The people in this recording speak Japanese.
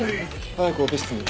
早くオペ室に。